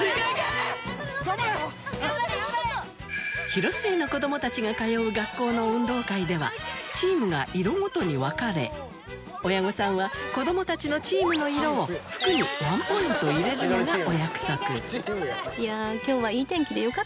広末の子供たちが通う学校の運動会では親御さんは子供たちのチームの色を服にワンポイント入れるのがお約束